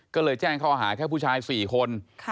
ก็เลยแจ้งข้อหาแค่ผู้ชาย๔คน